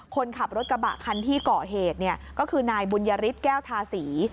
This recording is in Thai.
คนขับรถกระบะคันที่เกาะเหตุก็คือนายบุญยฤทธิ์แก้วทาศรี